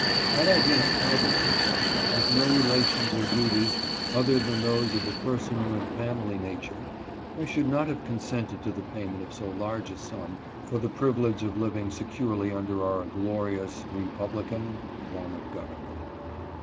Had I been a private person, with no relations or duties other than those of a personal and family nature, I should not have consented to the payment of so large a sum for the privilege of living securely under 316 MASTER HUGH GETS HIS PRICE. our glorious republican (?) form of government.